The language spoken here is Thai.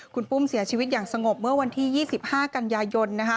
คุณปุ้มเสียชีวิตอย่างสงบเมื่อวันที่๒๕กันยายน